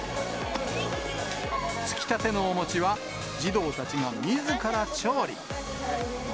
つきたてのお餅は、児童たちがみずから調理。